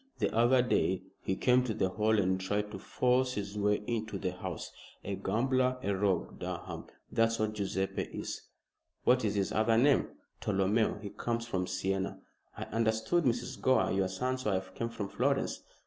The other day he came to the Hall and tried to force his way into the house. A gambler, a rogue, Durham that's what Guiseppe is." "What is his other name?" "Tolomeo! He comes from Siena." "I understood Mrs. Gore your son's wife came from Florence."